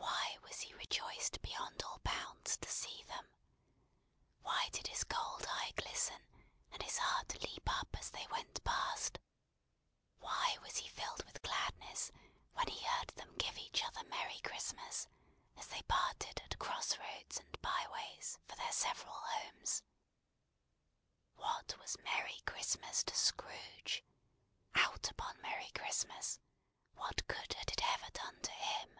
Why was he rejoiced beyond all bounds to see them! Why did his cold eye glisten, and his heart leap up as they went past! Why was he filled with gladness when he heard them give each other Merry Christmas, as they parted at cross roads and bye ways, for their several homes! What was merry Christmas to Scrooge? Out upon merry Christmas! What good had it ever done to him?